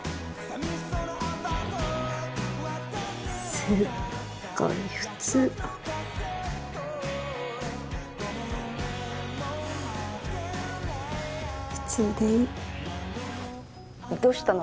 すっごい普通普通でいいどしたの？